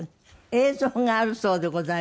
映像があるそうでございます。